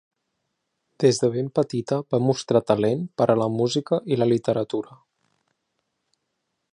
Des de ben petita va mostrar talent per a la música i la literatura.